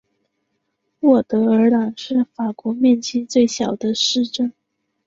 沃德尔朗是法国面积最小的市镇。